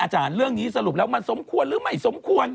เรื่องนี้สรุปแล้วมันสมควรหรือไม่สมควร